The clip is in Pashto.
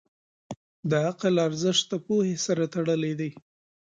د عقل ارزښت د پوهې سره تړلی دی.